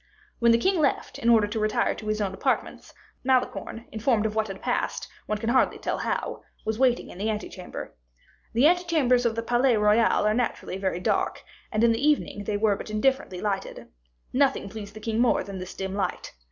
When the king left, in order to retire to his own apartments, Malicorne, informed of what had passed, one can hardly tell how, was waiting in the ante chamber. The ante chambers of the Palais Royal are naturally very dark, and, in the evening, they were but indifferently lighted. Nothing pleased the king more than this dim light.